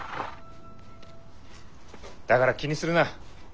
だから気にするな。